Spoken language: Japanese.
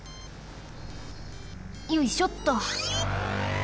よいしょっと！